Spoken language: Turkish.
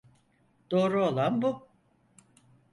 Doğru olan bu.